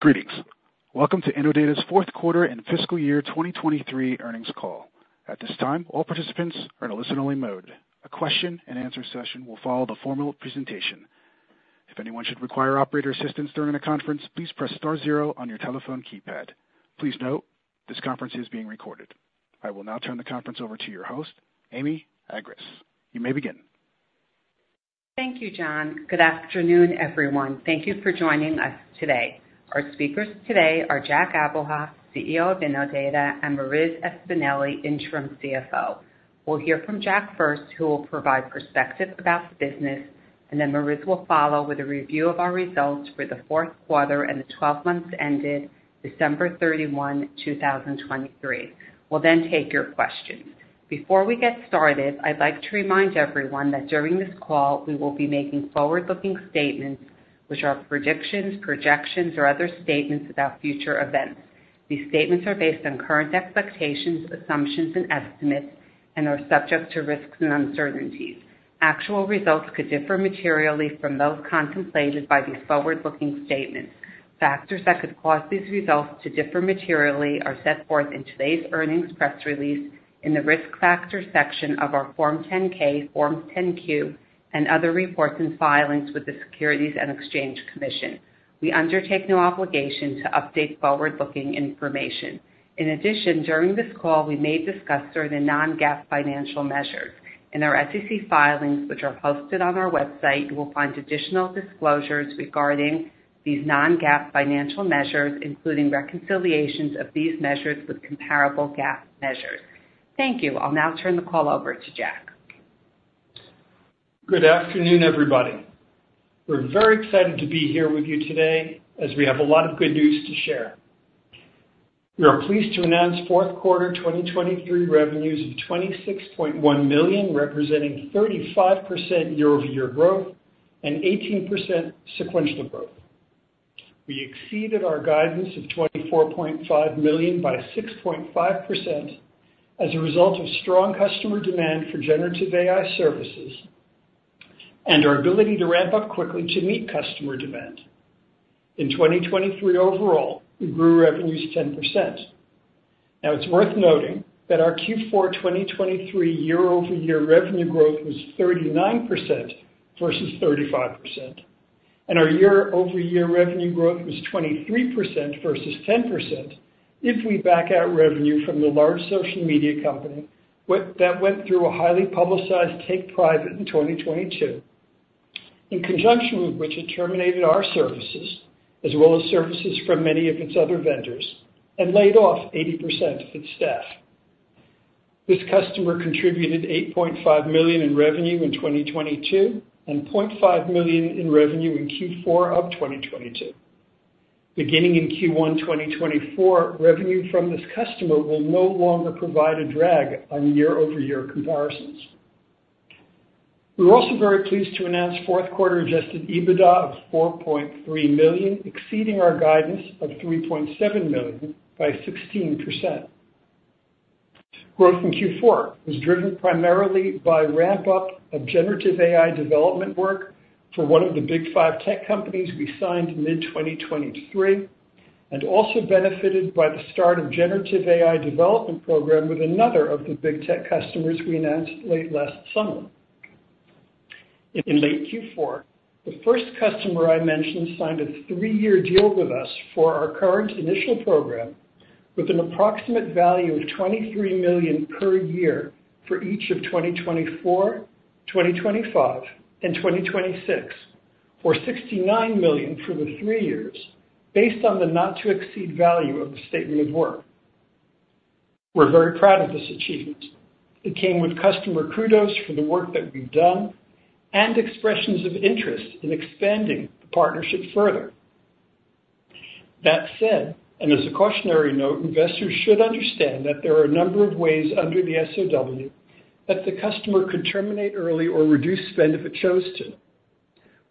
Greetings. Welcome to Innodata's fourth quarter and fiscal year 2023 earnings call. At this time, all participants are in a listen-only mode. A question-and-answer session will follow the formal presentation. If anyone should require operator assistance during a conference, please press star zero on your telephone keypad. Please note, this conference is being recorded. I will now turn the conference over to your host, Amy Agress. You may begin. Thank you, John. Good afternoon, everyone. Thank you for joining us today. Our speakers today are Jack Abuhoff, CEO of Innodata, and Marissa Espineli, interim CFO. We'll hear from Jack first, who will provide perspective about the business, and then Marissa will follow with a review of our results for the fourth quarter and the 12 months ended December 31, 2023. We'll then take your questions. Before we get started, I'd like to remind everyone that during this call we will be making forward-looking statements, which are predictions, projections, or other statements about future events. These statements are based on current expectations, assumptions, and estimates, and are subject to risks and uncertainties. Actual results could differ materially from those contemplated by these forward-looking statements. Factors that could cause these results to differ materially are set forth in today's earnings press release in the risk factors section of our Form 10-K, Forms 10-Q, and other reports and filings with the Securities and Exchange Commission. We undertake no obligation to update forward-looking information. In addition, during this call we may discuss certain non-GAAP financial measures. In our SEC filings, which are hosted on our website, you will find additional disclosures regarding these non-GAAP financial measures, including reconciliations of these measures with comparable GAAP measures. Thank you. I'll now turn the call over to Jack. Good afternoon, everybody. We're very excited to be here with you today, as we have a lot of good news to share. We are pleased to announce fourth quarter 2023 revenues of $26.1 million, representing 35% year-over-year growth and 18% sequential growth. We exceeded our guidance of $24.5 million by 6.5% as a result of strong customer demand for generative AI services and our ability to ramp up quickly to meet customer demand. In 2023 overall, we grew revenues 10%. Now, it's worth noting that our Q4 2023 year-over-year revenue growth was 39% versus 35%, and our year-over-year revenue growth was 23% versus 10% if we back out revenue from the large social media company that went through a highly publicized take private in 2022, in conjunction with which it terminated our services as well as services from many of its other vendors and laid off 80% of its staff. This customer contributed $8.5 million in revenue in 2022 and $0.5 million in revenue in Q4 of 2022. Beginning in Q1 2024, revenue from this customer will no longer provide a drag on year-over-year comparisons. We're also very pleased to announce fourth quarter Adjusted EBITDA of $4.3 million, exceeding our guidance of $3.7 million by 16%. Growth in Q4 was driven primarily by ramp-up of generative AI development work for one of the Big Five tech companies we signed mid-2023 and also benefited by the start of generative AI development program with another of the Big Tech customers we announced late last summer. In late Q4, the first customer I mentioned signed a three-year deal with us for our current initial program with an approximate value of $23 million per year for each of 2024, 2025, and 2026, or $69 million for the three years based on the not-to-exceed value of the statement of work. We're very proud of this achievement. It came with customer kudos for the work that we've done and expressions of interest in expanding the partnership further. That said, and as a cautionary note, investors should understand that there are a number of ways under the SOW that the customer could terminate early or reduce spend if it chose to.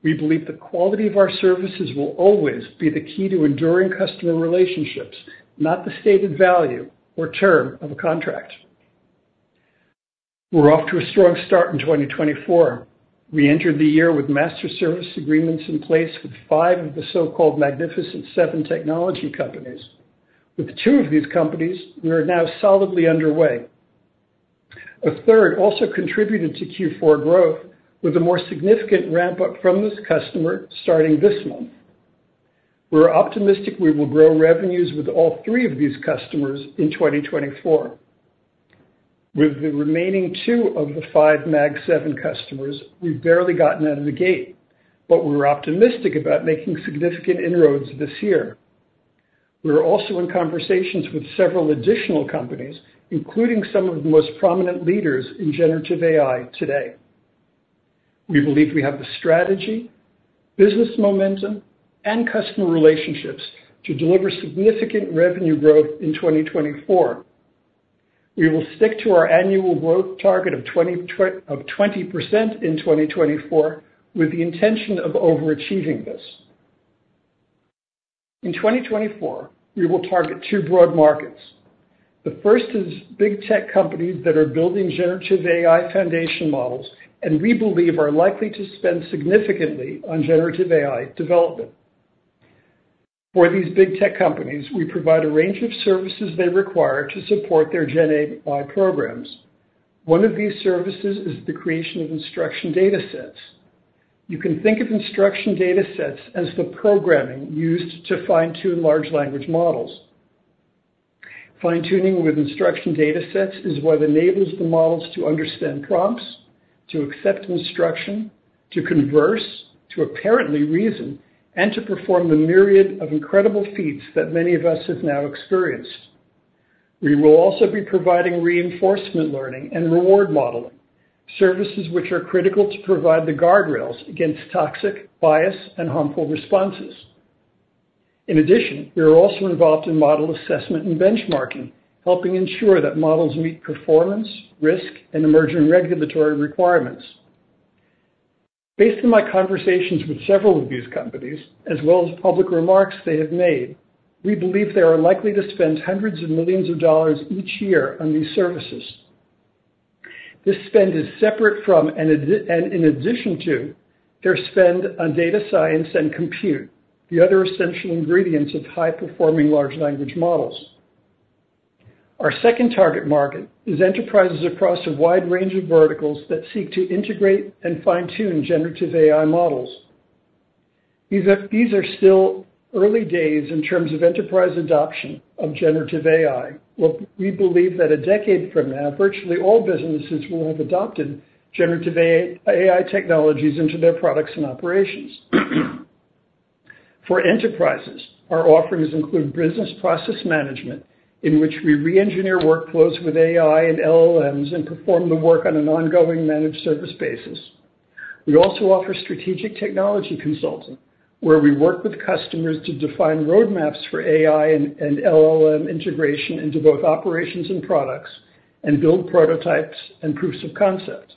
We believe the quality of our services will always be the key to enduring customer relationships, not the stated value or term of a contract. We're off to a strong start in 2024. We entered the year with master service agreements in place with 5 of the so-called Magnificent Seven technology companies. With 2 of these companies, we are now solidly underway. A third also contributed to Q4 growth with a more significant ramp-up from this customer starting this month. We're optimistic we will grow revenues with all three of these customers in 2024. With the remaining 2 of the 5 Mag Seven customers, we've barely gotten out of the gate, but we're optimistic about making significant inroads this year. We're also in conversations with several additional companies, including some of the most prominent leaders in generative AI today. We believe we have the strategy, business momentum, and customer relationships to deliver significant revenue growth in 2024. We will stick to our annual growth target of 20% in 2024 with the intention of overachieving this. In 2024, we will target two broad markets. The first is big tech companies that are building generative AI foundation models, and we believe are likely to spend significantly on generative AI development. For these big tech companies, we provide a range of services they require to support their Gen AI programs. One of these services is the creation of instruction datasets. You can think of instruction datasets as the programming used to fine-tune large language models. Fine-tuning with instruction datasets is what enables the models to understand prompts, to accept instruction, to converse, to apparently reason, and to perform the myriad of incredible feats that many of us have now experienced. We will also be providing reinforcement learning and reward modeling, services which are critical to provide the guardrails against toxic, biased, and harmful responses. In addition, we are also involved in model assessment and benchmarking, helping ensure that models meet performance, risk, and emerging regulatory requirements. Based on my conversations with several of these companies, as well as public remarks they have made, we believe they are likely to spend $hundreds of millions each year on these services. This spend is separate from and in addition to their spend on data science and compute, the other essential ingredients of high-performing large language models. Our second target market is enterprises across a wide range of verticals that seek to integrate and fine-tune generative AI models. These are still early days in terms of enterprise adoption of generative AI, where we believe that a decade from now, virtually all businesses will have adopted generative AI technologies into their products and operations. For enterprises, our offerings include business process management, in which we re-engineer workflows with AI and LLMs and perform the work on an ongoing managed service basis. We also offer strategic technology consulting, where we work with customers to define roadmaps for AI and LLM integration into both operations and products, and build prototypes and proofs of concept.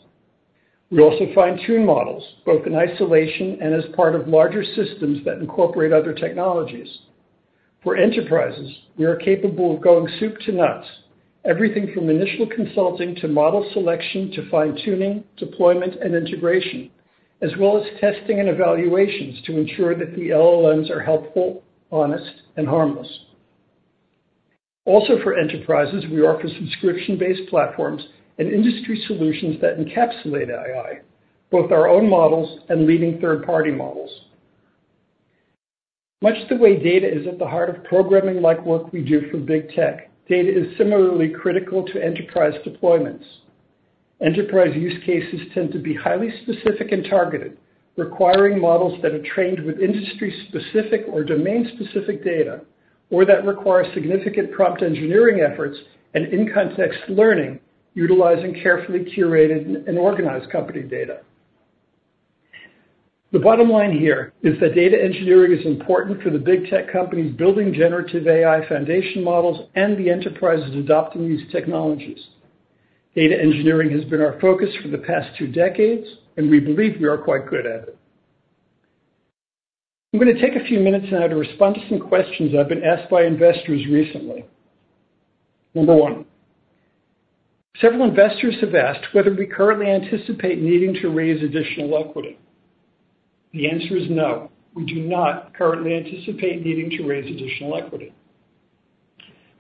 We also fine-tune models, both in isolation and as part of larger systems that incorporate other technologies. For enterprises, we are capable of going soup to nuts, everything from initial consulting to model selection to fine-tuning, deployment, and integration, as well as testing and evaluations to ensure that the LLMs are helpful, honest, and harmless. Also, for enterprises, we offer subscription-based platforms and industry solutions that encapsulate AI, both our own models and leading third-party models. Much the way data is at the heart of programming-like work we do for big tech, data is similarly critical to enterprise deployments. Enterprise use cases tend to be highly specific and targeted, requiring models that are trained with industry-specific or domain-specific data or that require significant prompt engineering efforts and in-context learning utilizing carefully curated and organized company data. The bottom line here is that data engineering is important for the big tech companies building generative AI foundation models and the enterprises adopting these technologies. Data engineering has been our focus for the past two decades, and we believe we are quite good at it. I'm going to take a few minutes now to respond to some questions I've been asked by investors recently. Number one, several investors have asked whether we currently anticipate needing to raise additional equity. The answer is no. We do not currently anticipate needing to raise additional equity.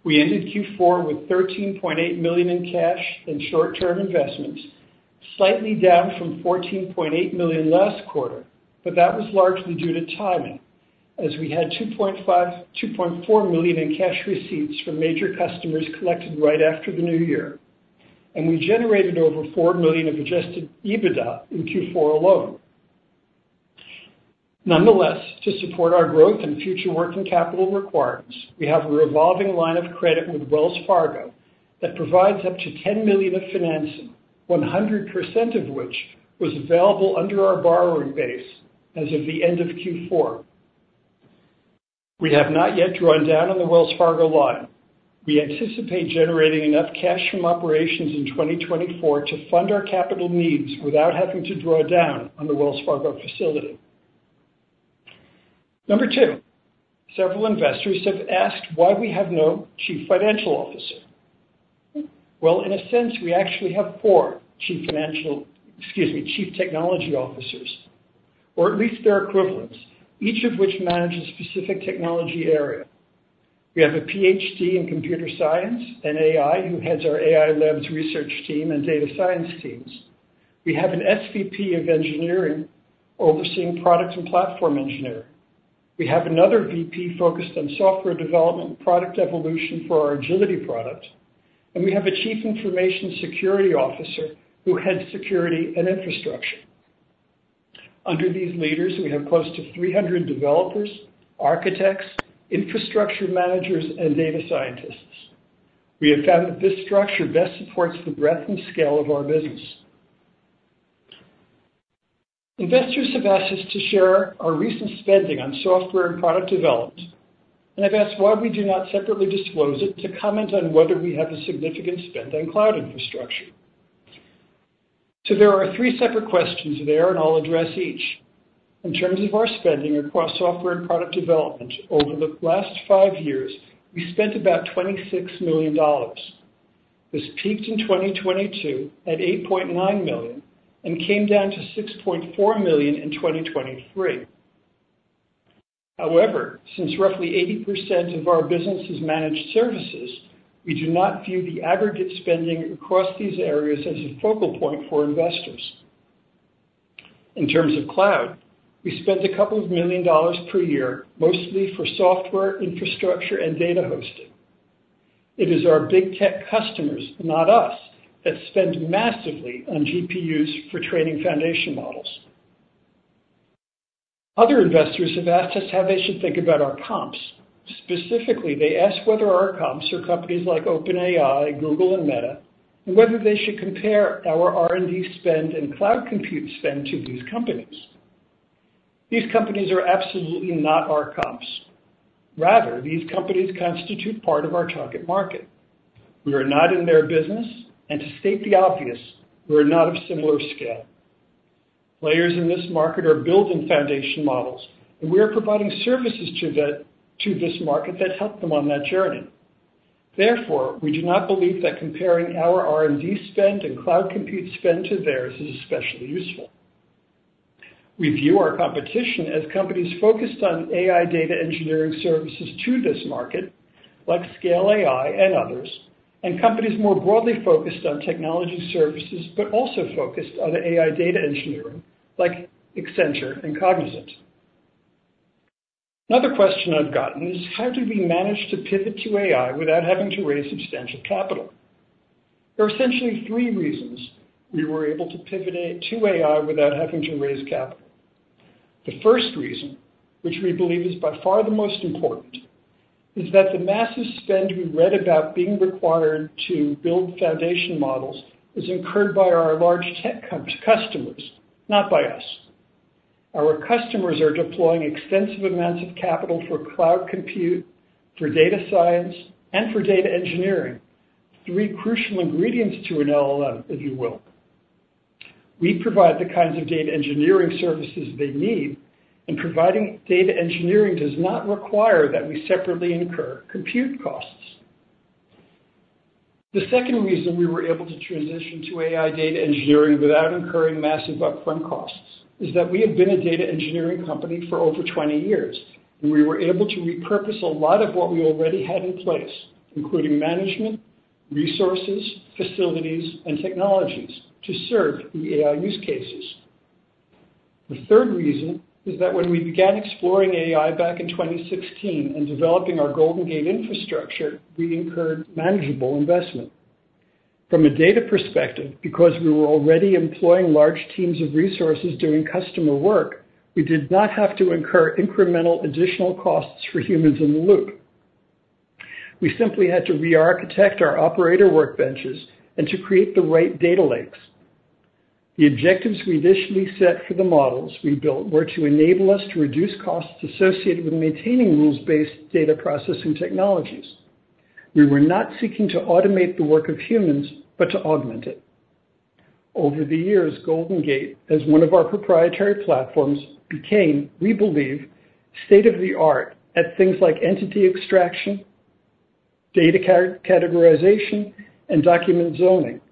We ended Q4 with $13.8 million in cash and short-term investments, slightly down from $14.8 million last quarter, but that was largely due to timing, as we had $2.4 million in cash receipts from major customers collected right after the new year, and we generated over $4 million of Adjusted EBITDA in Q4 alone. Nonetheless, to support our growth and future working capital requirements, we have a revolving line of credit with Wells Fargo that provides up to $10 million of financing, 100% of which was available under our borrowing base as of the end of Q4. We have not yet drawn down on the Wells Fargo line. We anticipate generating enough cash from operations in 2024 to fund our capital needs without having to draw down on the Wells Fargo facility. Number two, several investors have asked why we have no Chief Financial Officer. Well, in a sense, we actually have four chief financial, excuse me, chief technology officers, or at least their equivalents, each of which manages a specific technology area. We have a PhD in computer science and AI who heads our AI labs research team and data science teams. We have an SVP of engineering overseeing product and platform engineering. We have another VP focused on software development and product evolution for our Agility product, and we have a chief information security officer who heads security and infrastructure. Under these leaders, we have close to 300 developers, architects, infrastructure managers, and data scientists. We have found that this structure best supports the breadth and scale of our business. Investors have asked us to share our recent spending on software and product development, and I've asked why we do not separately disclose it to comment on whether we have a significant spend on cloud infrastructure. There are three separate questions there, and I'll address each. In terms of our spending across software and product development, over the last five years, we spent about $26 million. This peaked in 2022 at $8.9 million and came down to $6.4 million in 2023. However, since roughly 80% of our business is managed services, we do not view the aggregate spending across these areas as a focal point for investors. In terms of cloud, we spend a couple of million dollars per year, mostly for software, infrastructure, and data hosting. It is our big tech customers, not us, that spend massively on GPUs for training foundation models. Other investors have asked us how they should think about our comps. Specifically, they ask whether our comps are companies like OpenAI, Google, and Meta, and whether they should compare our R&D spend and cloud compute spend to these companies. These companies are absolutely not our comps. Rather, these companies constitute part of our target market. We are not in their business, and to state the obvious, we are not of similar scale. Players in this market are building foundation models, and we are providing services to this market that help them on that journey. Therefore, we do not believe that comparing our R&D spend and cloud compute spend to theirs is especially useful. We view our competition as companies focused on AI data engineering services to this market, like Scale AI and others, and companies more broadly focused on technology services but also focused on AI data engineering, like Accenture and Cognizant. Another question I've gotten is, how do we manage to pivot to AI without having to raise substantial capital? There are essentially three reasons we were able to pivot to AI without having to raise capital. The first reason, which we believe is by far the most important, is that the massive spend we read about being required to build foundation models is incurred by our large tech customers, not by us. Our customers are deploying extensive amounts of capital for cloud compute, for data science, and for data engineering, three crucial ingredients to an LLM, if you will. We provide the kinds of data engineering services they need, and providing data engineering does not require that we separately incur compute costs. The second reason we were able to transition to AI data engineering without incurring massive upfront costs is that we have been a data engineering company for over 20 years, and we were able to repurpose a lot of what we already had in place, including management, resources, facilities, and technologies, to serve the AI use cases. The third reason is that when we began exploring AI back in 2016 and developing our Golden Gate infrastructure, we incurred manageable investment. From a data perspective, because we were already employing large teams of resources doing customer work, we did not have to incur incremental additional costs for humans in the loop. We simply had to re-architect our operator workbenches and to create the right data lakes. The objectives we initially set for the models we built were to enable us to reduce costs associated with maintaining rules-based data processing technologies. We were not seeking to automate the work of humans but to augment it. Over the years, Golden Gate, as one of our proprietary platforms, became, we believe, state-of-the-art at things like entity extraction, data categorization, and document zoning,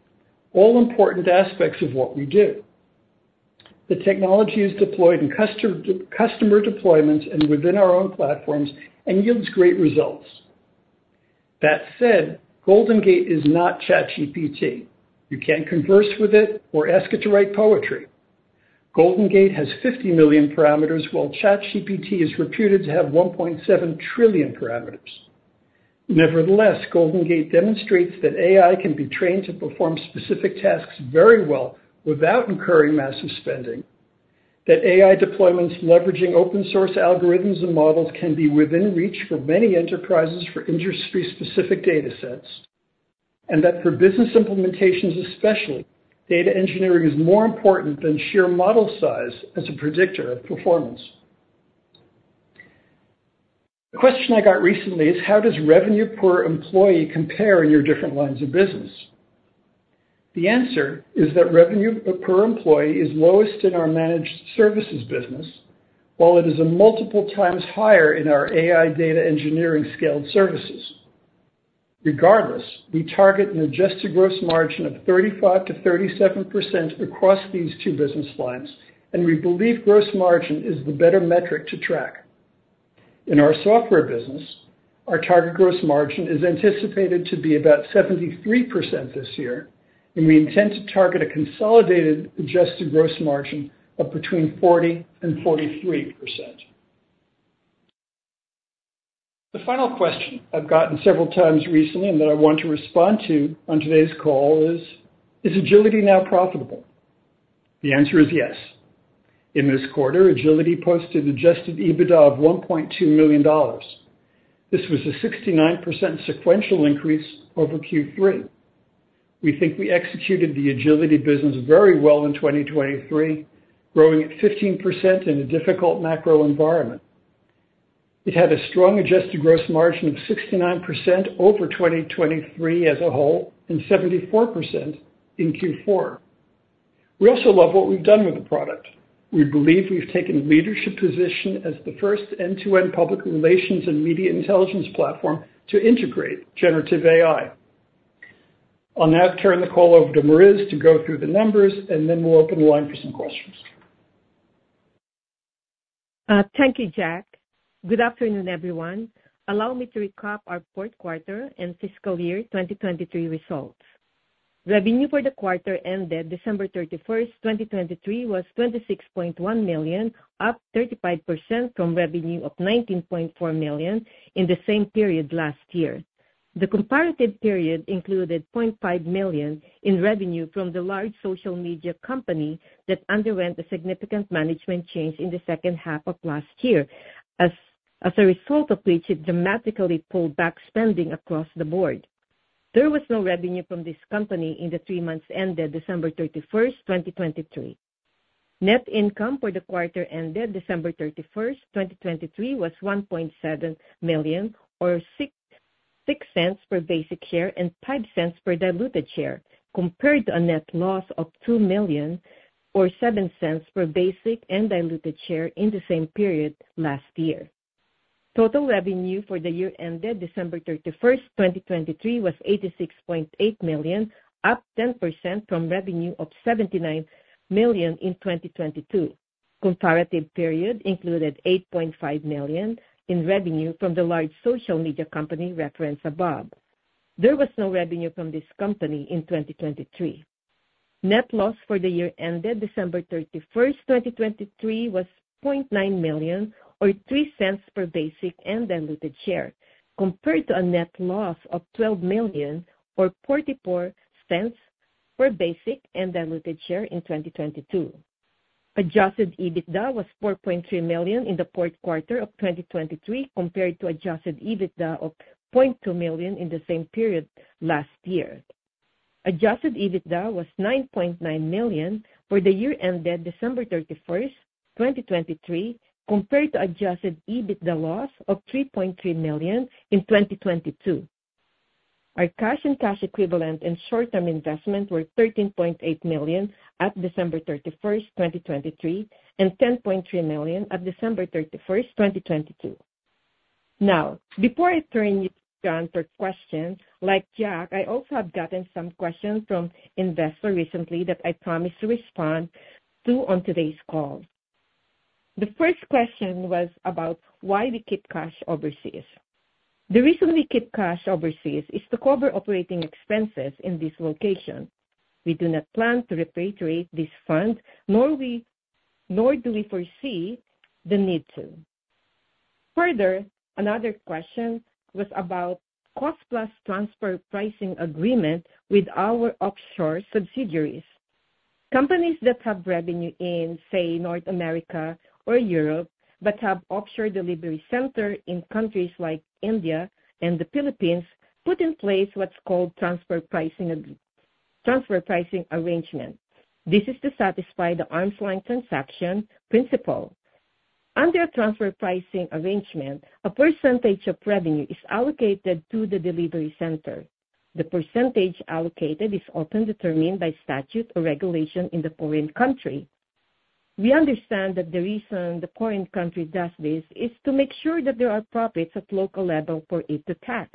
all important aspects of what we do. The technology is deployed in customer deployments and within our own platforms and yields great results. That said, Golden Gate is not ChatGPT. You can't converse with it or ask it to write poetry. Golden Gate has 50 million parameters, while ChatGPT is reputed to have 1.7 trillion parameters. Nevertheless, Golden Gate demonstrates that AI can be trained to perform specific tasks very well without incurring massive spending, that AI deployments leveraging open-source algorithms and models can be within reach for many enterprises for industry-specific datasets, and that for business implementations especially, data engineering is more important than sheer model size as a predictor of performance. The question I got recently is, how does revenue per employee compare in your different lines of business? The answer is that revenue per employee is lowest in our managed services business, while it is multiple times higher in our AI data engineering scaled services. Regardless, we target an adjusted gross margin of 35%-37% across these two business lines, and we believe gross margin is the better metric to track. In our software business, our target gross margin is anticipated to be about 73% this year, and we intend to target a consolidated adjusted gross margin of between 40%-43%. The final question I've gotten several times recently and that I want to respond to on today's call is, is Agility now profitable? The answer is yes. In this quarter, Agility posted Adjusted EBITDA of $1.2 million. This was a 69% sequential increase over Q3. We think we executed the Agility business very well in 2023, growing at 15% in a difficult macro environment. It had a strong adjusted gross margin of 69% over 2023 as a whole and 74% in Q4. We also love what we've done with the product. We believe we've taken a leadership position as the first end-to-end public relations and media intelligence platform to integrate Generative AI. I'll now turn the call over to Marissa to go through the numbers, and then we'll open the line for some questions. Thank you, Jack. Good afternoon, everyone. Allow me to recap our fourth quarter and fiscal year 2023 results. Revenue for the quarter ended December 31st, 2023, was $26.1 million, up 35% from revenue of $19.4 million in the same period last year. The comparative period included $0.5 million in revenue from the large social media company that underwent a significant management change in the second half of last year, as a result of which it dramatically pulled back spending across the board. There was no revenue from this company in the three months ended December 31st, 2023. Net income for the quarter ended December 31st, 2023, was $1.7 million or $0.06 per basic share and $0.05 per diluted share, compared to a net loss of $2 million or $0.07 per basic and diluted share in the same period last year. Total revenue for the year ended December 31st, 2023, was $86.8 million, up 10% from revenue of $79 million in 2022. Comparative period included $8.5 million in revenue from the large social media company referenced above. There was no revenue from this company in 2023. Net loss for the year ended December 31st, 2023, was $0.9 million or $0.03 per basic and diluted share, compared to a net loss of $12 million or $0.44 per basic and diluted share in 2022. Adjusted EBITDA was $4.3 million in the fourth quarter of 2023, compared to adjusted EBITDA of $0.2 million in the same period last year. Adjusted EBITDA was $9.9 million for the year ended December 31st, 2023, compared to adjusted EBITDA loss of $3.3 million in 2022. Our cash and cash equivalents and short-term investments were $13.8 million at December 31st, 2023, and $10.3 million at December 31st, 2022. Now, before I turn it over for questions, like Jack, I also have gotten some questions from investors recently that I promised to respond to on today's call. The first question was about why we keep cash overseas. The reason we keep cash overseas is to cover operating expenses in this location. We do not plan to repatriate this fund, nor do we foresee the need to. Further, another question was about cost-plus transfer pricing agreement with our offshore subsidiaries. Companies that have revenue in, say, North America or Europe but have offshore delivery centers in countries like India and the Philippines put in place what's called transfer pricing arrangement. This is to satisfy the arm's-length transaction principle. Under a transfer pricing arrangement, a percentage of revenue is allocated to the delivery center. The percentage allocated is often determined by statute or regulation in the foreign country. We understand that the reason the foreign country does this is to make sure that there are profits at local level for it to tax.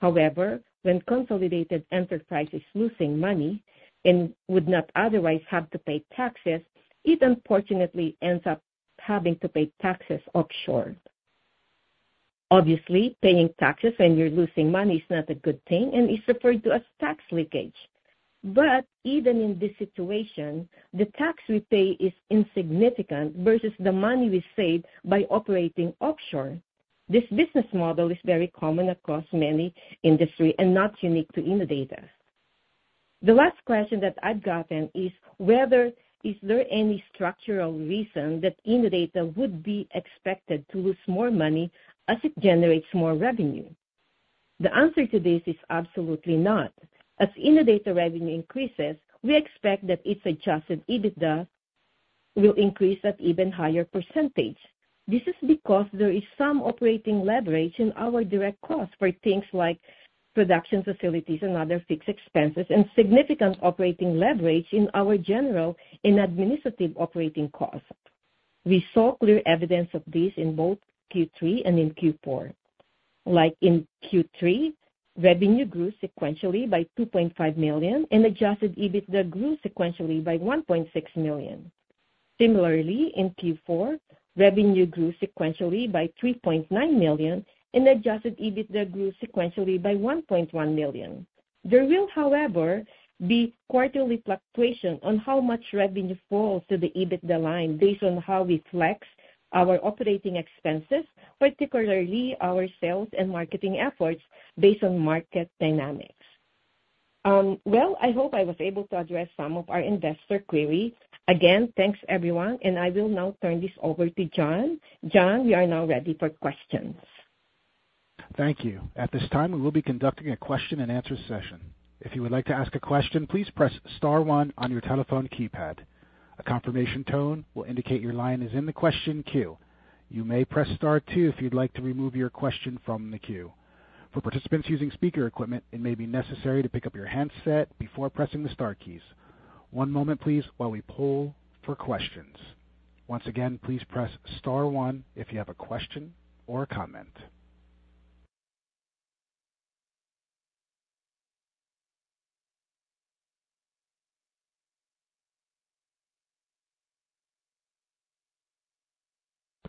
However, when consolidated enterprise is losing money and would not otherwise have to pay taxes, it unfortunately ends up having to pay taxes offshore. Obviously, paying taxes when you're losing money is not a good thing and is referred to as tax leakage. But even in this situation, the tax we pay is insignificant versus the money we save by operating offshore. This business model is very common across many industries and not unique to Innodata. The last question that I've gotten is, is there any structural reason that Innodata would be expected to lose more money as it generates more revenue? The answer to this is absolutely not. As Innodata revenue increases, we expect that its Adjusted EBITDA will increase at an even higher percentage. This is because there is some operating leverage in our direct costs for things like production facilities and other fixed expenses and significant operating leverage in our general and administrative operating costs. We saw clear evidence of this in both Q3 and in Q4. Like in Q3, revenue grew sequentially by $2.5 million and Adjusted EBITDA grew sequentially by $1.6 million. Similarly, in Q4, revenue grew sequentially by $3.9 million and Adjusted EBITDA grew sequentially by $1.1 million. There will, however, be quarterly fluctuation on how much revenue falls to the EBITDA line based on how we flex our operating expenses, particularly our sales and marketing efforts based on market dynamics. Well, I hope I was able to address some of our investor queries. Again, thanks, everyone, and I will now turn this over to John. John, we are now ready for questions. Thank you. At this time, we will be conducting a question and answer session. If you would like to ask a question, please press star one on your telephone keypad. A confirmation tone will indicate your line is in the question queue. You may press star two if you'd like to remove your question from the queue. For participants using speaker equipment, it may be necessary to pick up your handset before pressing the star keys. One moment, please, while we pull for questions. Once again, please press star one if you have a question or a comment.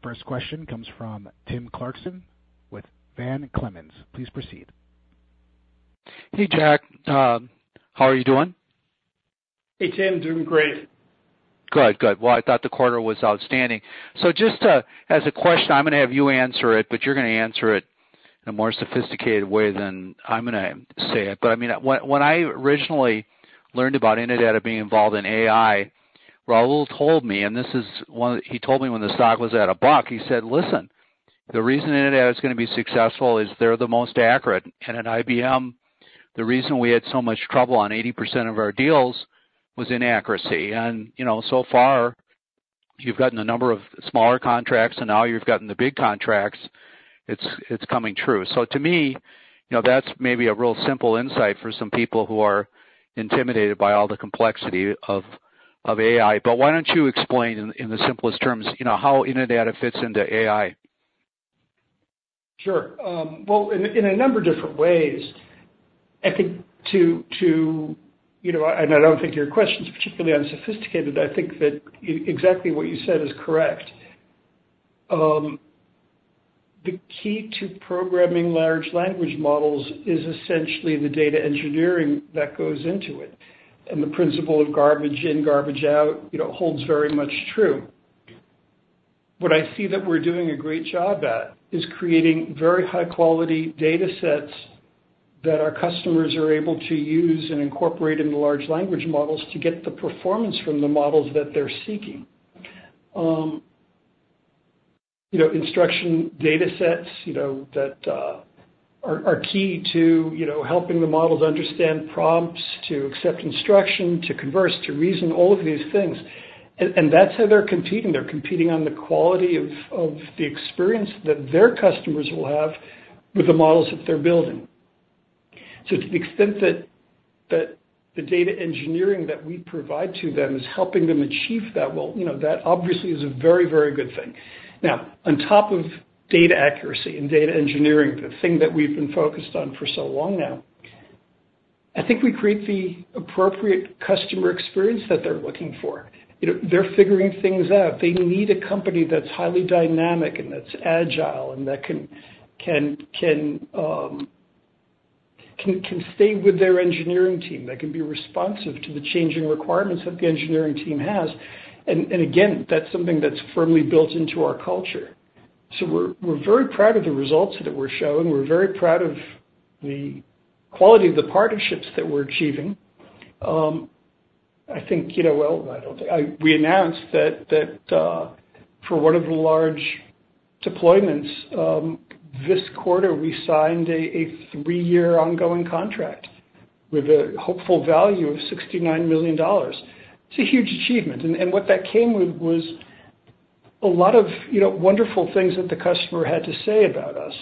The first question comes from Tim Clarkson with Van Clemens. Please proceed. Hey, Jack. How are you doing? Hey, Tim. Doing great. Good, good. Well, I thought the quarter was outstanding. So just as a question, I'm going to have you answer it, but you're going to answer it in a more sophisticated way than I'm going to say it. But I mean, when I originally learned about Innodata being involved in AI, Rahul told me - and this is one he told me when the stock was at a buck - he said, "Listen, the reason Innodata is going to be successful is they're the most accurate. And at IBM, the reason we had so much trouble on 80% of our deals was inaccuracy." And so far, you've gotten a number of smaller contracts, and now you've gotten the big contracts. It's coming true. So to me, that's maybe a real simple insight for some people who are intimidated by all the complexity of AI. Why don't you explain in the simplest terms how Innodata fits into AI? Sure. Well, in a number of different ways, I think to—and I don't think your question's particularly unsophisticated—I think that exactly what you said is correct. The key to programming large language models is essentially the data engineering that goes into it. And the principle of garbage in, garbage out holds very much true. What I see that we're doing a great job at is creating very high-quality datasets that our customers are able to use and incorporate into large language models to get the performance from the models that they're seeking. Instruction datasets that are key to helping the models understand prompts, to accept instruction, to converse, to reason—all of these things. And that's how they're competing. They're competing on the quality of the experience that their customers will have with the models that they're building. So to the extent that the data engineering that we provide to them is helping them achieve that, well, that obviously is a very, very good thing. Now, on top of data accuracy and data engineering, the thing that we've been focused on for so long now, I think we create the appropriate customer experience that they're looking for. They're figuring things out. They need a company that's highly dynamic and that's agile and that can stay with their engineering team, that can be responsive to the changing requirements that the engineering team has. And again, that's something that's firmly built into our culture. So we're very proud of the results that we're showing. We're very proud of the quality of the partnerships that we're achieving. Well, I don't think we announced that for one of the large deployments this quarter, we signed a three-year ongoing contract with a hopeful value of $69 million. It's a huge achievement. What that came with was a lot of wonderful things that the customer had to say about us,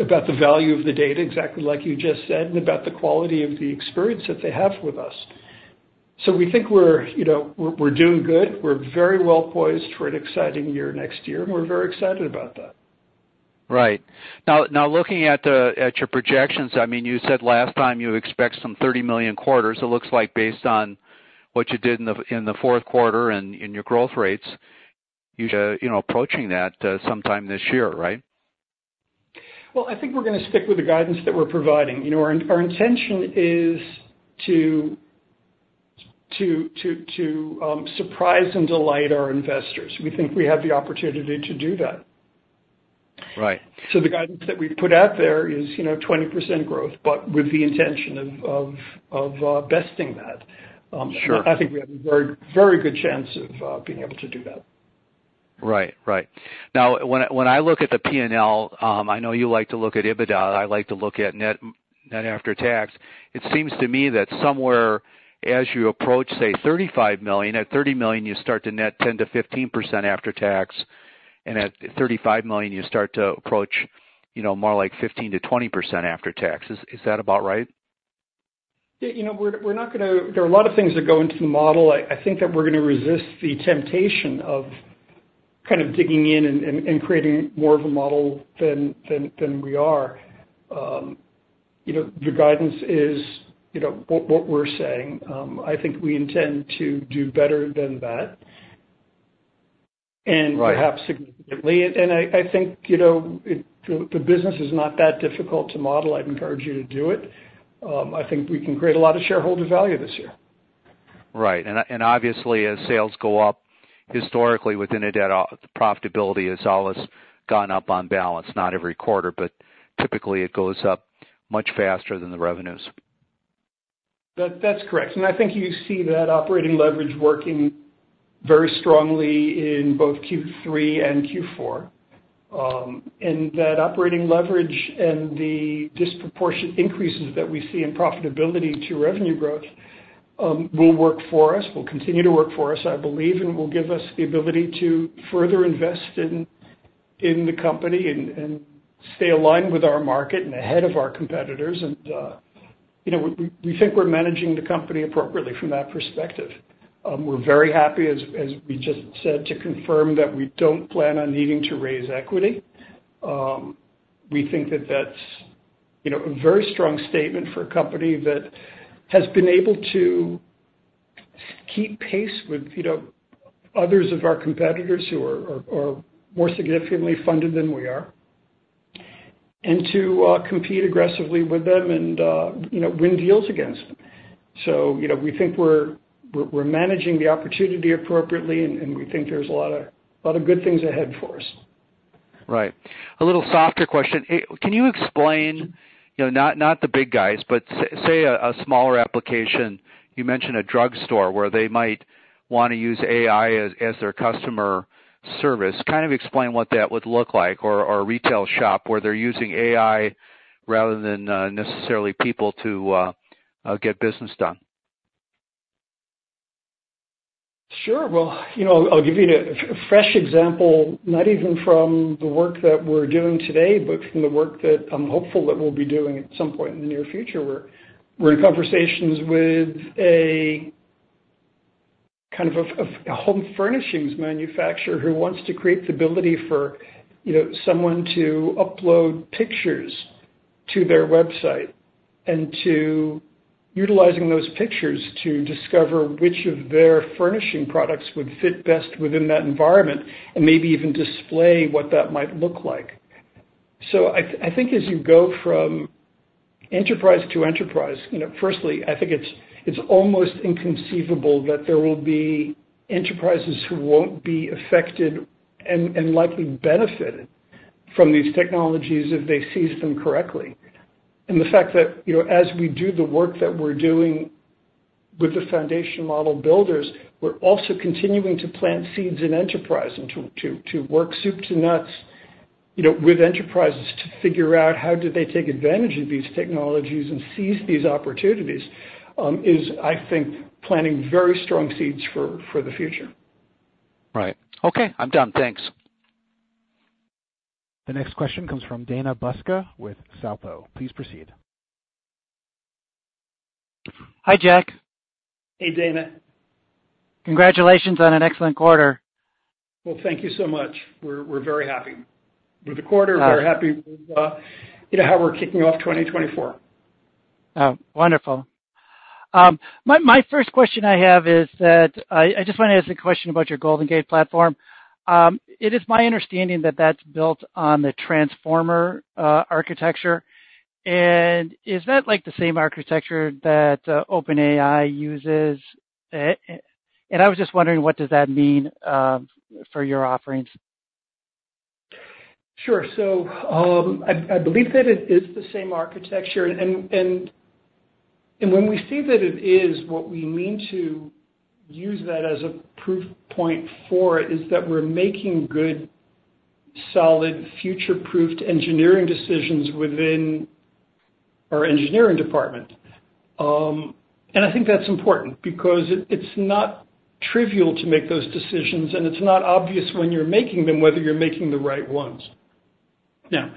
about the value of the data exactly like you just said, and about the quality of the experience that they have with us. We think we're doing good. We're very well-poised for an exciting year next year, and we're very excited about that. Right. Now, looking at your projections, I mean, you said last time you expect some $30 million quarters. It looks like based on what you did in the fourth quarter and your growth rates, you're approaching that sometime this year, right? Well, I think we're going to stick with the guidance that we're providing. Our intention is to surprise and delight our investors. We think we have the opportunity to do that. So the guidance that we've put out there is 20% growth, but with the intention of besting that. I think we have a very good chance of being able to do that. Right, right. Now, when I look at the P&L, I know you like to look at EBITDA. I like to look at net after tax. It seems to me that somewhere as you approach, say, $35 million, at $30 million, you start to net 10%-15% after tax, and at $35 million, you start to approach more like 15%-20% after tax. Is that about right? Yeah. We're not going to. There are a lot of things that go into the model. I think that we're going to resist the temptation of kind of digging in and creating more of a model than we are. The guidance is what we're saying. I think we intend to do better than that, and perhaps significantly. And I think if the business is not that difficult to model, I'd encourage you to do it. I think we can create a lot of shareholder value this year. Right. And obviously, as sales go up, historically, with Innodata, profitability has always gone up on balance, not every quarter, but typically, it goes up much faster than the revenues. That's correct. And I think you see that operating leverage working very strongly in both Q3 and Q4. And that operating leverage and the disproportionate increases that we see in profitability to revenue growth will work for us, will continue to work for us, I believe, and will give us the ability to further invest in the company and stay aligned with our market and ahead of our competitors. And we think we're managing the company appropriately from that perspective. We're very happy, as we just said, to confirm that we don't plan on needing to raise equity. We think that that's a very strong statement for a company that has been able to keep pace with others of our competitors who are more significantly funded than we are and to compete aggressively with them and win deals against them. So we think we're managing the opportunity appropriately, and we think there's a lot of good things ahead for us. Right. A little softer question. Can you explain, not the big guys, but say a smaller application? You mentioned a drug store where they might want to use AI as their customer service. Kind of explain what that would look like, or a retail shop where they're using AI rather than necessarily people to get business done. Sure. Well, I'll give you a fresh example, not even from the work that we're doing today, but from the work that I'm hopeful that we'll be doing at some point in the near future. We're in conversations with kind of a home furnishings manufacturer who wants to create the ability for someone to upload pictures to their website and to utilize those pictures to discover which of their furnishing products would fit best within that environment and maybe even display what that might look like. So I think as you go from enterprise to enterprise, firstly, I think it's almost inconceivable that there will be enterprises who won't be affected and likely benefited from these technologies if they seize them correctly. The fact that as we do the work that we're doing with the foundation model builders, we're also continuing to plant seeds in enterprise and to work soup to nuts with enterprises to figure out how do they take advantage of these technologies and seize these opportunities is, I think, planting very strong seeds for the future. Right. Okay. I'm done. Thanks. The next question comes from Dana Buska with Feltl and Company. Please proceed. Hi, Jack. Hey, Dana. Congratulations on an excellent quarter. Well, thank you so much. We're very happy with the quarter. We're happy with how we're kicking off 2024. Wonderful. My first question I have is that I just want to ask a question about your Golden Gate platform. It is my understanding that that's built on the Transformer architecture. Is that the same architecture that OpenAI uses? I was just wondering, what does that mean for your offerings? Sure. So I believe that it is the same architecture. When we say that it is, what we mean to use that as a proof point for it is that we're making good, solid, future-proofed engineering decisions within our engineering department. I think that's important because it's not trivial to make those decisions, and it's not obvious when you're making them whether you're making the right ones. Now,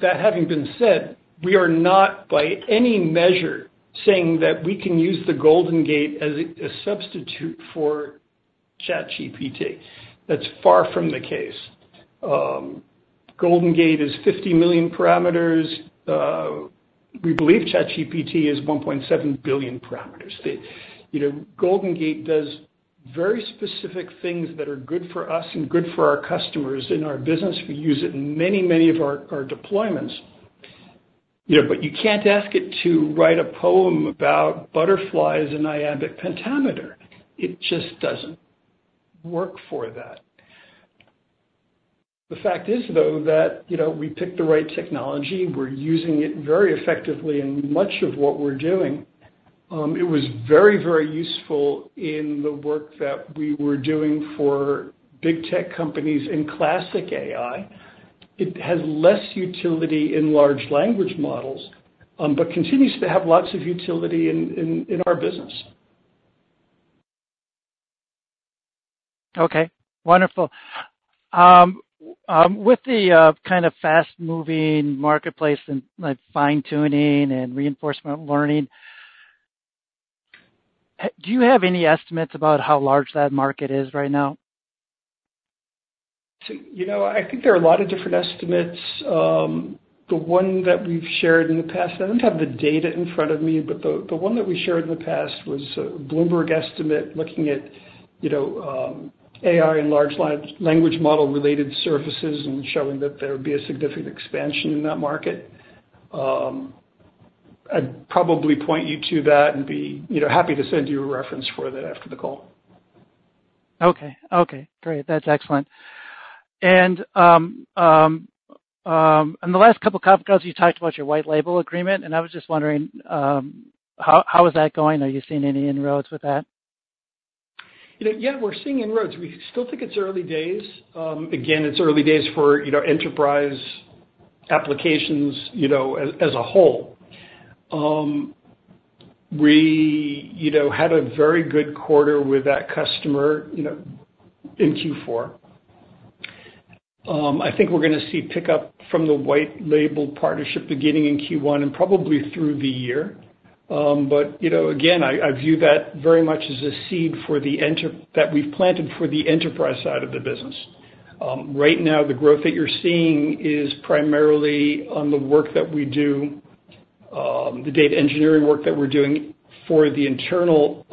that having been said, we are not by any measure saying that we can use the Golden Gate as a substitute for ChatGPT. That's far from the case. Golden Gate is 50 million parameters. We believe ChatGPT is 1.7 billion parameters. Golden Gate does very specific things that are good for us and good for our customers in our business. We use it in many, many of our deployments. But you can't ask it to write a poem about butterflies and iambic pentameter. It just doesn't work for that. The fact is, though, that we picked the right technology. We're using it very effectively in much of what we're doing. It was very, very useful in the work that we were doing for big tech companies in classic AI. It has less utility in large language models but continues to have lots of utility in our business. Okay. Wonderful. With the kind of fast-moving marketplace and fine-tuning and reinforcement learning, do you have any estimates about how large that market is right now? I think there are a lot of different estimates. The one that we've shared in the past, I don't have the data in front of me, but the one that we shared in the past was a Bloomberg estimate looking at AI and large language model-related services and showing that there would be a significant expansion in that market. I'd probably point you to that and be happy to send you a reference for that after the call. Okay. Okay. Great. That's excellent. And in the last couple of conferences, you talked about your white label agreement, and I was just wondering, how is that going? Are you seeing any inroads with that? Yeah. We're seeing inroads. We still think it's early days. Again, it's early days for enterprise applications as a whole. We had a very good quarter with that customer in Q4. I think we're going to see pickup from the white label partnership beginning in Q1 and probably through the year. But again, I view that very much as a seed that we've planted for the enterprise side of the business. Right now, the growth that you're seeing is primarily on the work that we do, the data engineering work that we're doing for the internal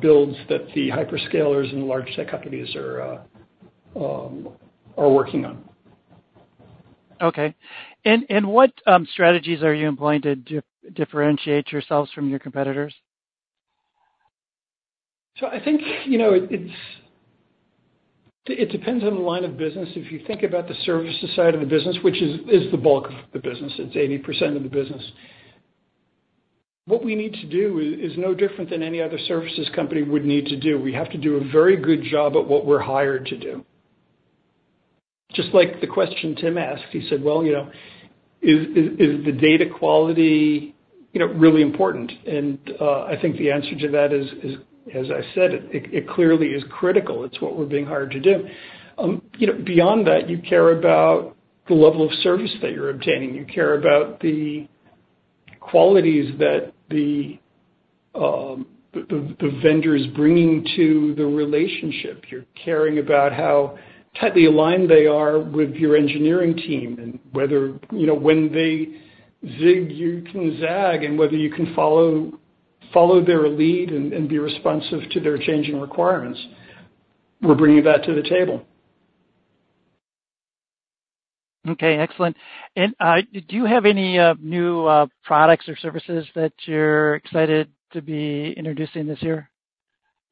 builds that the hyperscalers and large tech companies are working on. Okay. What strategies are you employing to differentiate yourselves from your competitors? I think it depends on the line of business. If you think about the services side of the business, which is the bulk of the business, it's 80% of the business. What we need to do is no different than any other services company would need to do. We have to do a very good job at what we're hired to do. Just like the question Tim asked, he said, "Well, is the data quality really important?" I think the answer to that is, as I said, it clearly is critical. It's what we're being hired to do. Beyond that, you care about the level of service that you're obtaining. You care about the qualities that the vendor is bringing to the relationship. You're caring about how tightly aligned they are with your engineering team and when they zig, you can zag, and whether you can follow their lead and be responsive to their changing requirements. We're bringing that to the table. Okay. Excellent. Do you have any new products or services that you're excited to be introducing this year?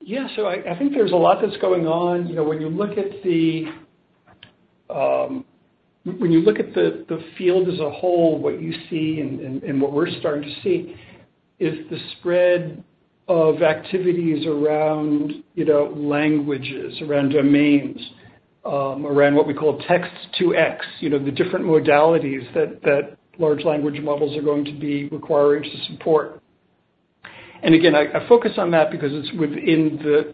Yeah. So I think there's a lot that's going on. When you look at the field as a whole, what you see and what we're starting to see is the spread of activities around languages, around domains, around what we call text-to-X, the different modalities that large language models are going to be requiring to support. And again, I focus on that because it's within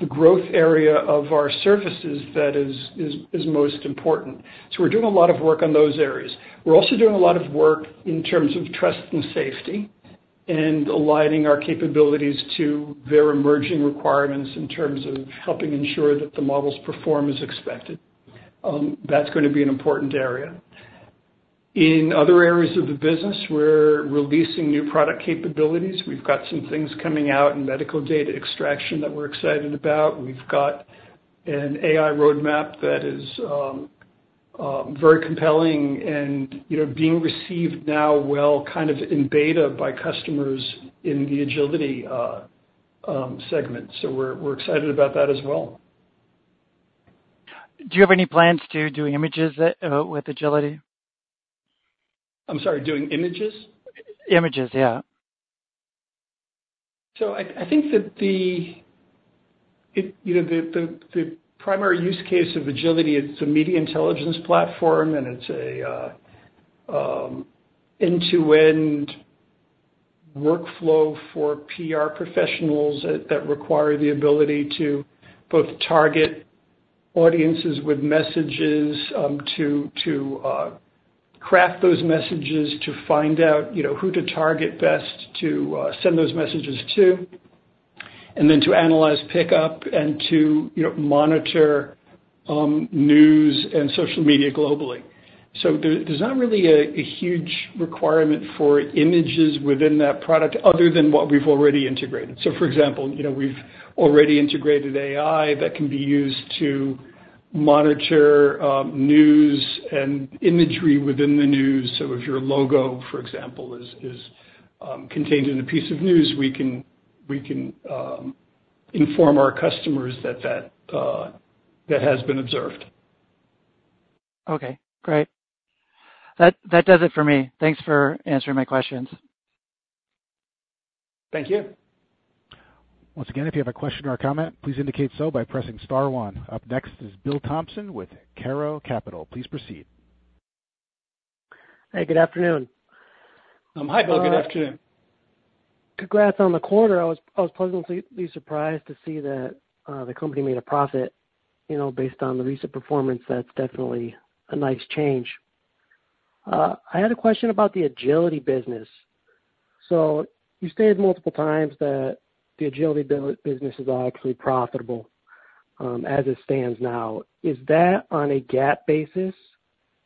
the growth area of our services that is most important. So we're doing a lot of work on those areas. We're also doing a lot of work in terms of trust and safety and aligning our capabilities to their emerging requirements in terms of helping ensure that the models perform as expected. That's going to be an important area. In other areas of the business, we're releasing new product capabilities. We've got some things coming out in medical data extraction that we're excited about. We've got an AI roadmap that is very compelling and being received now well kind of in beta by customers in the Agility segment. We're excited about that as well. Do you have any plans to do images with Agility? I'm sorry. Doing images? Images. Yeah. So I think that the primary use case of Agility, it's a media intelligence platform, and it's an end-to-end workflow for PR professionals that require the ability to both target audiences with messages, to craft those messages, to find out who to target best to send those messages to, and then to analyze, pick up, and to monitor news and social media globally. So there's not really a huge requirement for images within that product other than what we've already integrated. So for example, we've already integrated AI that can be used to monitor news and imagery within the news. So if your logo, for example, is contained in a piece of news, we can inform our customers that that has been observed. Okay. Great. That does it for me. Thanks for answering my questions. Thank you. Once again, if you have a question or a comment, please indicate so by pressing star one. Up next is Bill Thompson with Sio Capital Management. Please proceed. Hey. Good afternoon. Hi, Bill. Good afternoon. Hello. Congrats on the quarter. I was pleasantly surprised to see that the company made a profit based on the recent performance. That's definitely a nice change. I had a question about the Agility business. So you stated multiple times that the Agility business is actually profitable as it stands now. Is that on a GAAP basis,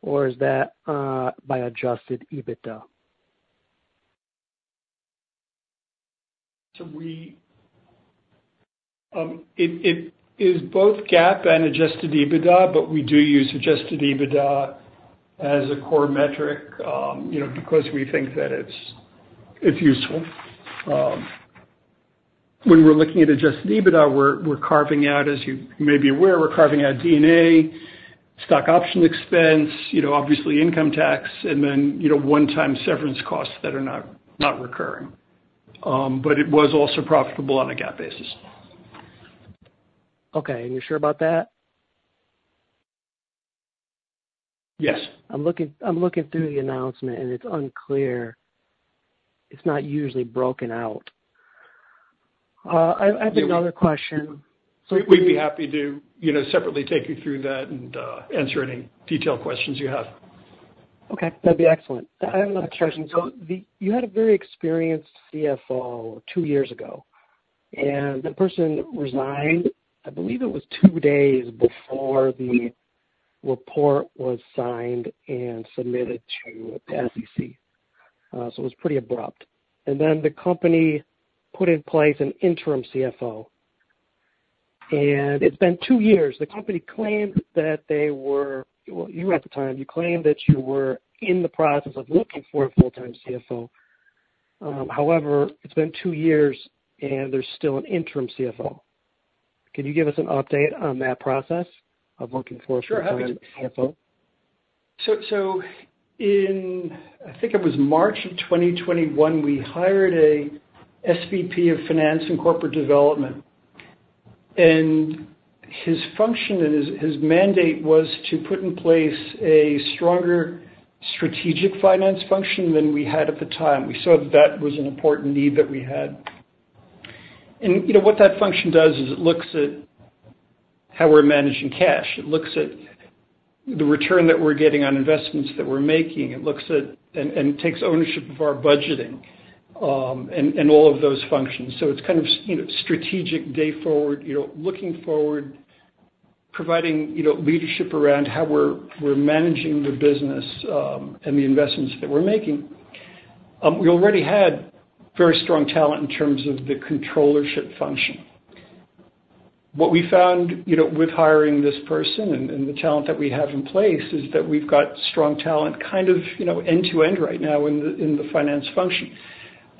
or is that by Adjusted EBITDA? So it is both GAAP and adjusted EBITDA, but we do use adjusted EBITDA as a core metric because we think that it's useful. When we're looking at adjusted EBITDA, we're carving out, as you may be aware, we're carving out D&A, stock option expense, obviously, income tax, and then one-time severance costs that are not recurring. But it was also profitable on a GAAP basis. Okay. You're sure about that? Yes. I'm looking through the announcement, and it's unclear. It's not usually broken out. I have another question. We'd be happy to separately take you through that and answer any detailed questions you have. Okay. That'd be excellent. I have another question. So you had a very experienced CFO 2 years ago, and that person resigned. I believe it was two days before the report was signed and submitted to the SEC. So it was pretty abrupt. And then the company put in place an interim CFO. And it's been two years. The company claimed that they were well, you at the time, you claimed that you were in the process of looking for a full-time CFO. However, it's been two years, and there's still an interim CFO. Can you give us an update on that process of looking for a full-time CFO? Sure. I have it. So I think it was March of 2021, we hired a SVP of finance and corporate development. His function and his mandate was to put in place a stronger strategic finance function than we had at the time. We saw that that was an important need that we had. What that function does is it looks at how we're managing cash. It looks at the return that we're getting on investments that we're making. It takes ownership of our budgeting and all of those functions. So it's kind of strategic day forward, looking forward, providing leadership around how we're managing the business and the investments that we're making. We already had very strong talent in terms of the controllership function. What we found with hiring this person and the talent that we have in place is that we've got strong talent kind of end-to-end right now in the finance function.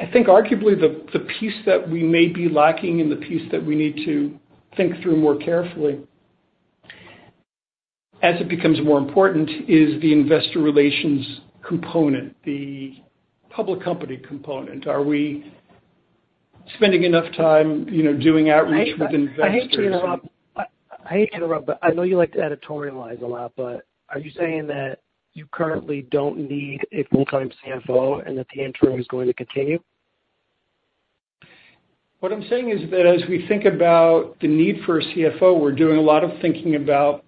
I think, arguably, the piece that we may be lacking and the piece that we need to think through more carefully as it becomes more important is the investor relations component, the public company component. Are we spending enough time doing outreach with investors? I hate to interrupt. I hate to interrupt, but I know you like to editorialize a lot, but are you saying that you currently don't need a full-time CFO and that the interim is going to continue? What I'm saying is that as we think about the need for a CFO, we're doing a lot of thinking about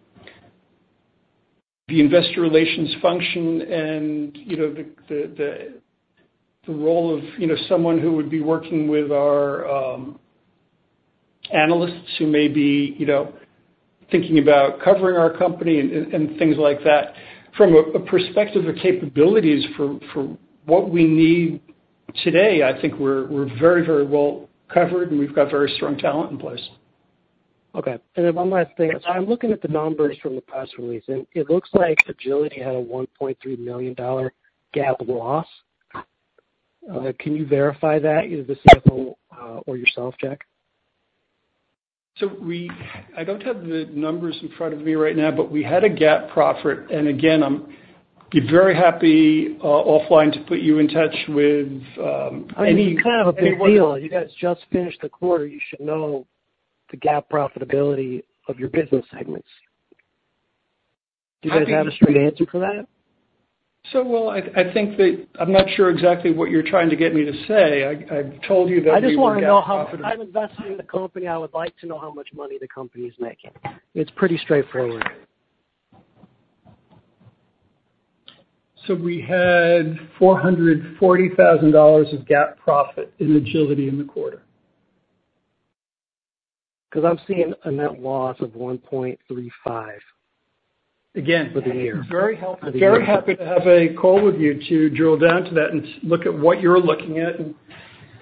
the investor relations function and the role of someone who would be working with our analysts who may be thinking about covering our company and things like that. From a perspective of capabilities for what we need today, I think we're very, very well covered, and we've got very strong talent in place. Okay. Then one last thing. I'm looking at the numbers from the press release, and it looks like Agility had a $1.3 million GAAP loss. Can you verify that, the CFO or yourself, Jack? I don't have the numbers in front of me right now, but we had a GAAP profit. Again, I'd be very happy offline to put you in touch with any. I mean, it's kind of a big deal. You guys just finished the quarter. You should know the GAAP profitability of your business segments. Do you guys have a straight answer for that? So, well, I'm not sure exactly what you're trying to get me to say. I've told you that we have profitability. I just want to know how I'm investing in the company. I would like to know how much money the company is making. It's pretty straightforward. We had $440,000 of GAAP profit in Agility in the quarter. Because I'm seeing a net loss of $1.35 for the year. Again, it's very helpful to know. Very happy to have a call with you to drill down to that and look at what you're looking at and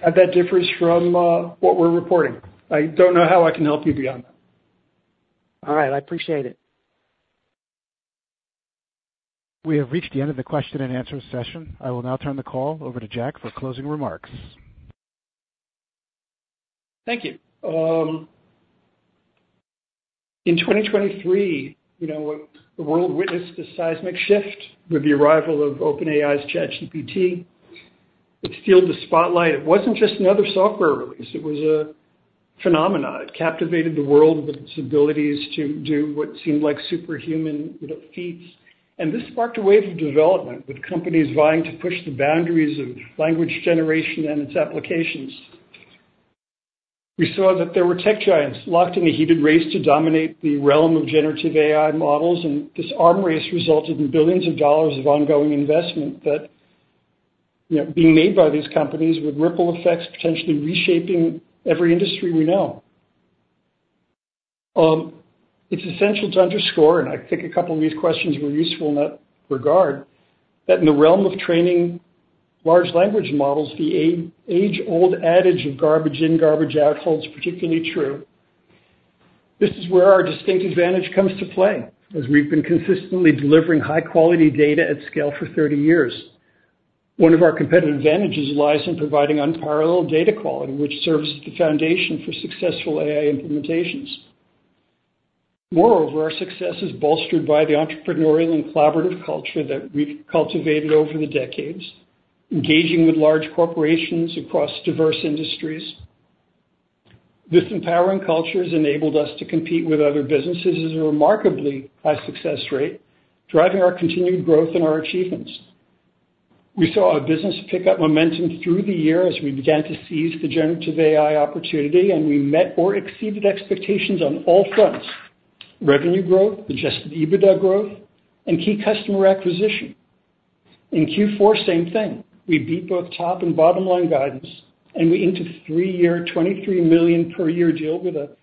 how that differs from what we're reporting. I don't know how I can help you beyond that. All right. I appreciate it. We have reached the end of the question-and-answer session. I will now turn the call over to Jack for closing remarks. Thank you. In 2023, the world witnessed a seismic shift with the arrival of OpenAI's ChatGPT. It stole the spotlight. It wasn't just another software release. It was a phenomenon. It captivated the world with its abilities to do what seemed like superhuman feats. And this sparked a wave of development with companies vying to push the boundaries of language generation and its applications. We saw that there were tech giants locked in a heated race to dominate the realm of generative AI models. And this arms race resulted in billions of dollars of ongoing investment that being made by these companies would ripple effects, potentially reshaping every industry we know. It's essential to underscore, and I think a couple of these questions were useful in that regard, that in the realm of training large language models, the age-old adage of garbage in, garbage out holds particularly true. This is where our distinct advantage comes to play as we've been consistently delivering high-quality data at scale for 30 years. One of our competitive advantages lies in providing unparalleled data quality, which serves as the foundation for successful AI implementations. Moreover, our success is bolstered by the entrepreneurial and collaborative culture that we've cultivated over the decades, engaging with large corporations across diverse industries. This empowering culture has enabled us to compete with other businesses with a remarkably high success rate, driving our continued growth and our achievements. We saw our business pick up momentum through the year as we began to seize the generative AI opportunity, and we met or exceeded expectations on all fronts: revenue growth, adjusted EBITDA growth, and key customer acquisition. In Q4, same thing. We beat both top and bottom-line guidance, and we entered a three-year, $23 million per year deal with a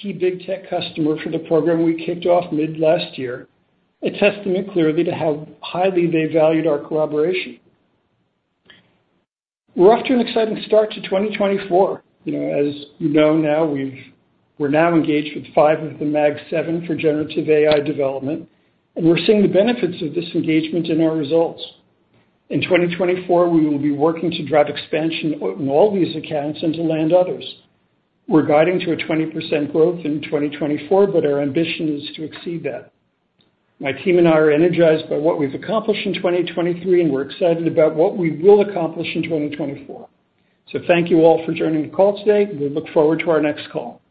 key big tech customer for the program we kicked off mid-last year, a testament clearly to how highly they valued our collaboration. We're off to an exciting start to 2024. As you know now, we're now engaged with five of the Mag 7 for generative AI development, and we're seeing the benefits of this engagement in our results. In 2024, we will be working to drive expansion in all these accounts and to land others. We're guiding to a 20% growth in 2024, but our ambition is to exceed that. My team and I are energized by what we've accomplished in 2023, and we're excited about what we will accomplish in 2024. So thank you all for joining the call today. We look forward to our next call.